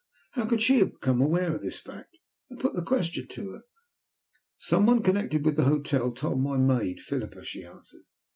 How could she have become aware of this fact? I put the question to her. "Some one connected with the hotel told my maid, Phillipa," she answered.